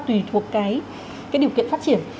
tùy thuộc cái điều kiện phát triển